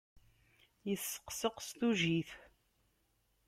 Yesseqseq s tujit.